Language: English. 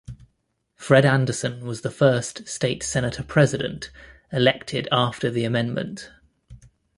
Fred Anderson was the first state senate president elected after the amendment.